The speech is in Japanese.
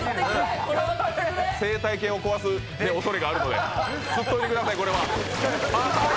生態系を壊すおそれがあるので、釣っておいてください、これは。